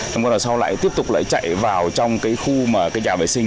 chúng ta sau lại tiếp tục chạy vào trong khu nhà vệ sinh